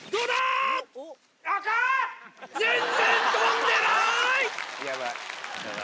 全然飛んでない！